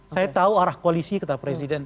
saya tahu arah koalisi ketat presiden